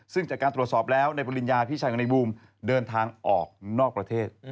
ซึ่งจากการตรวจสอบแล้วในปริญญาพี่ชายของนายบูมเดินทางออกนอกประเทศ